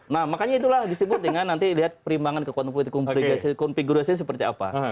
nah makanya itulah disebut dengan nanti lihat perimbangan konfigurasinya seperti apa